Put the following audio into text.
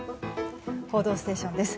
「報道ステーション」です。